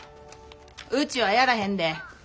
うちはやらへんで。